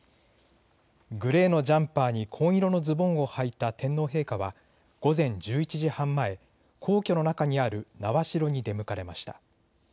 グレーのジャンパーに紺色のズボンをはいた天皇陛下は午前１１時半前、皇居の中にある苗代に出向かれました。